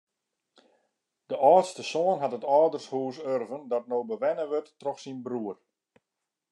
De âldste soan hat it âldershûs urven dat no bewenne wurdt troch syn broer.